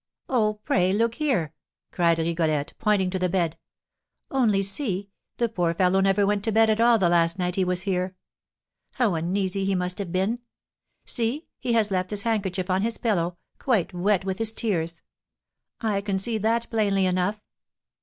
"Oh, pray look here!" cried Rigolette, pointing to the bed. "Only see, the poor fellow never went to bed at all the last night he was here! How uneasy he must have been! See, he has left his handkerchief on his pillow, quite wet with his tears! I can see that plainly enough."